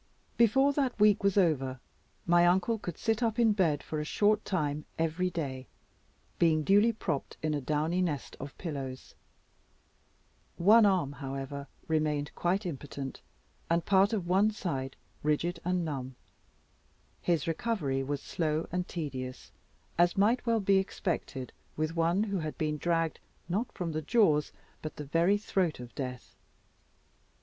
Before that week was over, my uncle could sit up in bed for a short time every day, being duly propped in a downy nest of pillows. One arm, however, remained quite impotent, and part of one side rigid and numb. His recovery was slow and tedious, as might well be expected with one who had been dragged not from the jaws but the very throat of death.